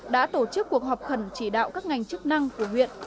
đã tổ chức cuộc họp khẩn chỉ đạo các ngành chức năng của huyện